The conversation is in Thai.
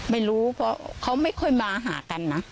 ไม่รู้เพราะเขาไม่ค่อยมาหากันนะ